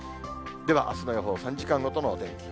では、あすの予報、３時間ごとのお天気。